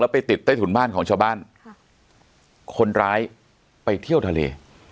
ไปติดใต้ถุนบ้านของชาวบ้านค่ะคนร้ายไปเที่ยวทะเล